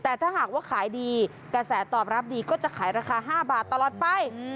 แต่ถ้าหากว่าขายดีกระแสตอบรับดีก็จะขายราคา๕บาทตลอดไป